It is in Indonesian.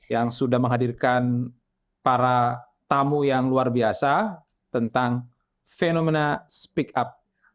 yang sudah menghadirkan para tamu yang luar biasa tentang fenomena speak up